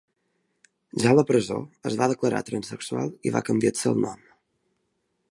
Ja a la presó, es va declarar transsexual i va canviar-se el nom.